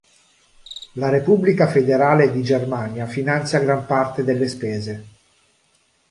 La Repubblica Federale di Germania finanzia gran parte delle spese.